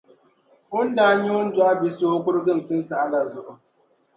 o ni daa nyɛ o ni dɔɣi bi so o kuriginsim saha la zuɣu.